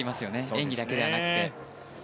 演技だけではなくて。